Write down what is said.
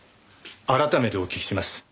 改めてお聞きします。